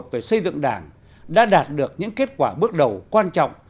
về xây dựng đảng đã đạt được những kết quả bước đầu quan trọng